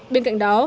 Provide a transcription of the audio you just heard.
bên cạnh đó